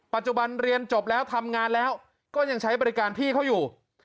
ปัจจุบันเรียนจบแล้วทำงานแล้วก็ยังใช้บริการพี่เขาอยู่